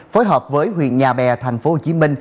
phối hợp với huyện nhà bè tp hcm